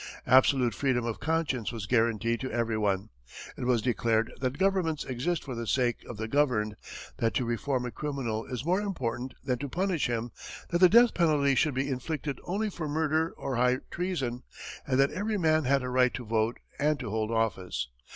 Absolute freedom of conscience was guaranteed to everyone; it was declared that governments exist for the sake of the governed, that to reform a criminal is more important than to punish him, that the death penalty should be inflicted only for murder or high treason, and that every man had a right to vote and to hold office.